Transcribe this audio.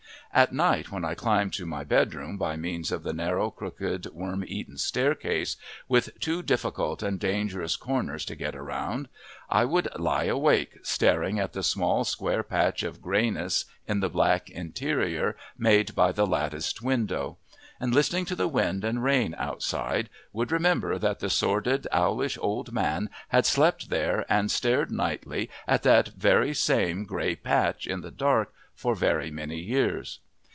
At night when I climbed to my bedroom by means of the narrow, crooked, worm eaten staircase, with two difficult and dangerous corners to get round, I would lie awake staring at the small square patch of greyness in the black interior made by the latticed window; and listening to the wind and rain outside, would remember that the sordid, owlish old man had slept there and stared nightly at that same grey patch in the dark for very many years.